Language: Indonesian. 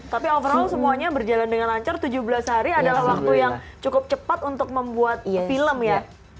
tapi overall semuanya berjalan dengan lancar tujuh belas hari adalah waktu yang cukup cepat untuk membuat film ya